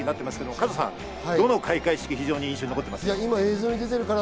加藤さん、どの開会式が印象に残っていますか？